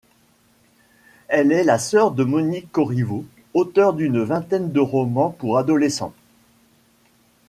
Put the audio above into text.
Elle est la sœur de Monique Corriveau, auteur d'une vingtaine de romans pour adolescents.